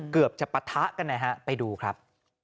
เกือบจะปะทะกันนะฮะไปดูครับ